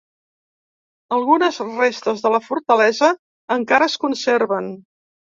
Algunes restes de la fortalesa encara es conserven.